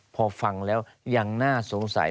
พอฟังแล้วยังน่าสงสัย